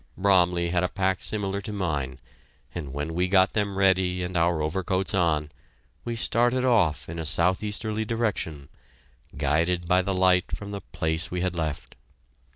Bromley had a pack similar to mine, and when we got them ready and our overcoats on, we started off in a southeasterly direction, guided by the light from the place we had left.